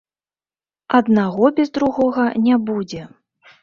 Аднаго без другога не будзе.